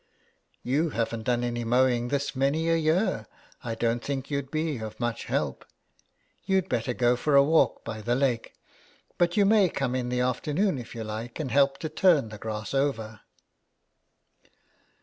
" You havn't done any mowing this many a year ; I don't think you'd be of much help. You'd better go for a walk by the lake, but you may come in the afternoon if you like and help to turn the grass over."